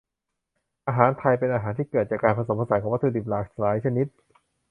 อาหารไทย เป็นอาหารที่เกิดจากการผสมผสานของวัตถุดิบหลากหลายชนิด